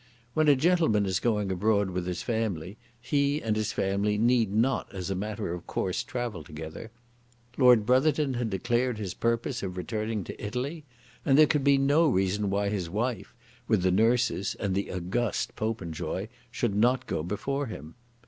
When a gentleman is going abroad with his family, he and his family need not as a matter of course travel together. Lord Brotherton had declared his purpose of returning to Italy, and there could be no reason why his wife, with the nurses and the august Popenjoy, should not go before him.